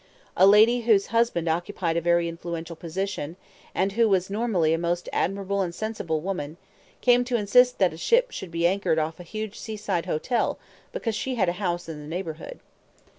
A lady whose husband occupied a very influential position, and who was normally a most admirable and sensible woman, came to insist that a ship should be anchored off a huge seaside hotel because she had a house in the neighborhood.